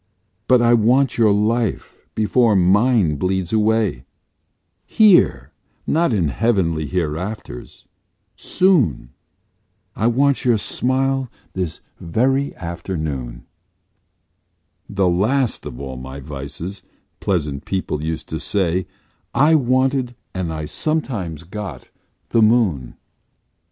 But I want your life before mine bleeds away Here not in heavenly hereafters soon, I want your smile this very afternoon, (The last of all my vices, pleasant people used to say, I wanted and I sometimes got the Moon!)